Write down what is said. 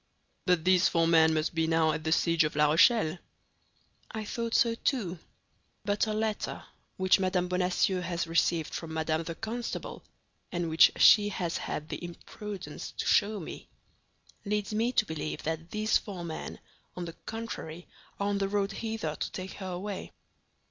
"But these four men must be now at the siege of La Rochelle?" "I thought so, too; but a letter which Madame Bonacieux has received from Madame the Constable, and which she has had the imprudence to show me, leads me to believe that these four men, on the contrary, are on the road hither to take her away."